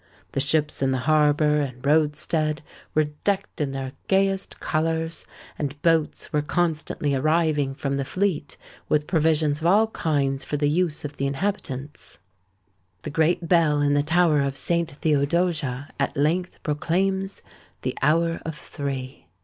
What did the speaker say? The ships in the harbour and roadstead were decked in their gayest colours; and boats were constantly arriving from the fleet with provisions of all kinds for the use of the inhabitants. The great bell in the tower of Saint Theodosia at length proclaims the hour of three.